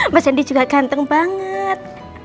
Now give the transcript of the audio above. mas andi juga ganteng banget